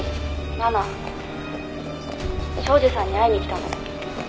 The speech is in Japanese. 「奈々庄司さんに会いに来たの？」